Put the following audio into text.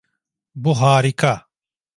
Bu harika.